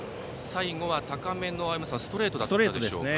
最後は高めのストレートだったでしょうか。